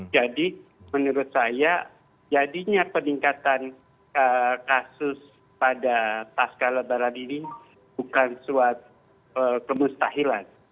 jadi menurut saya jadinya peningkatan kasus pada pasca lebaran ini bukan suatu kemustahilan